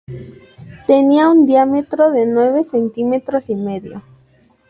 Tenían un diámetro de nueve centímetros y medio.